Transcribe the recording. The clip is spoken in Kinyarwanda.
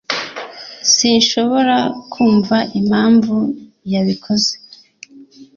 sinshobora kumva impamvu yabikoze